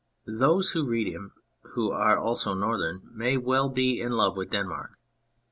Those who read him and who are also Northern may well be in love with Denmark.